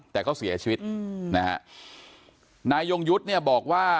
แต่เขาเสียชีวิตอืมนะฮะนายยงยุทธ์เนี่ยบอกว่า